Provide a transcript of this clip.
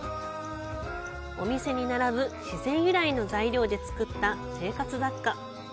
お店に並ぶ自然由来の材料で作った生活雑貨。